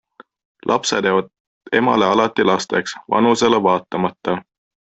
Lapsed jäävad emale alati lasteks, vanusele vaatamata.